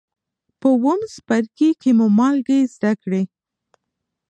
په اووم څپرکي کې مو مالګې زده کړې.